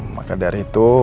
maka dari itu